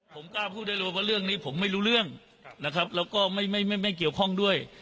ผมกล้าพูดได้เลยว่าเรื่องนี้ผมไม่รู้เรื่องนะครับแล้วก็ไม่เกี่ยวข้องด้วย